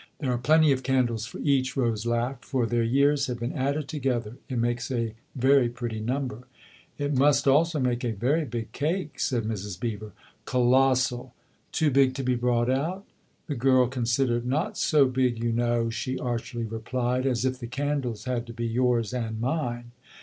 There are plenty of candles for each," Rose laughed, " for their years have been added together. It makes a very pretty number !"" It must also make a very big cake," said Mrs. Beever. " Colossal." " Too big to be brought out ?" The girl considered. "Not so big, you know," 136 THE OTHER HOUSE she archly replied, "as if the candles had to be yours and mine